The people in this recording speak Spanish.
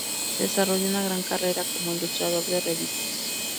Desarrolló una gran carrera como ilustrador de revistas.